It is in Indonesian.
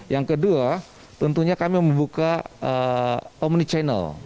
yang kedua tentunya kami membuka omni channel